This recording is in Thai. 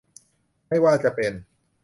ไม่ว่าจะเป็น